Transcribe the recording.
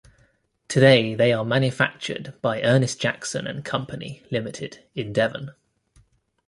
Today they are manufactured by Ernest Jackson and Company Limited in Devon.